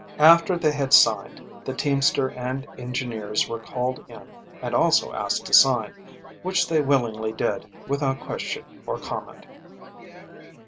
After they had signed, the teamster and engineers were called in and also asked to sign, which they willingly did, without question or comment.